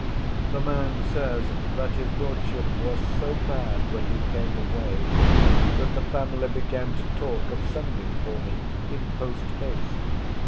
The man says, that his Lordship was so bad when he came away, that the family began to talk of sending for me in post haste.